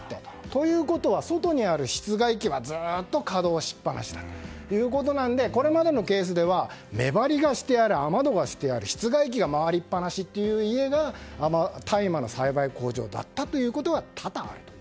ということは、外にある室外機はずっと稼働しっ放しなのでこれまでのケースでは目張りがしてある雨戸がしてある室外機が回りっぱなしの家が大麻の栽培工場だったことは多々ある。